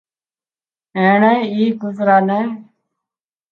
اينڻي اي ڪوترا نين